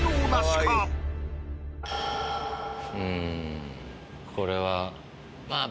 うんこれはまぁ。